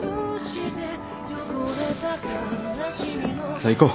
さあ行こう。